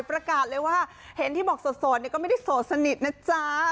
ประกาศเลยว่าเห็นที่บอกโสดเนี่ยก็ไม่ได้โสดสนิทนะจ๊ะ